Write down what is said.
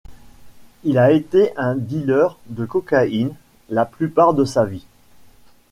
Il a été un dealer de cocaïne la plupart de sa vie.